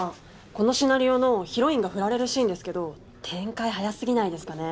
このシナリオのヒロインが振られるシーンですけど展開早過ぎないですかね。